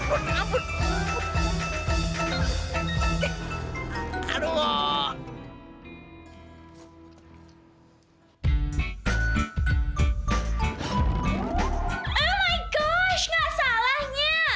oh my gosh nggak salahnya